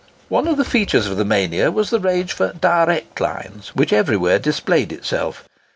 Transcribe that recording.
One of the features of the mania was the rage for "direct lines" which everywhere displayed itself.